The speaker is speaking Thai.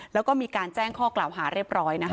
แล้วก็มีการแจ้งข้อกล่าวหาเรียบร้อยนะคะ